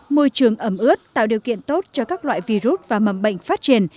môi trường ẩm ướt tạo điều kiện tốt cho các loại virus và mầm bệnh phát triển